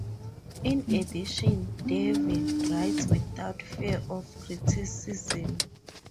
In addition, Davie writes without fear of criticism.